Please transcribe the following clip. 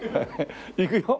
いくよ？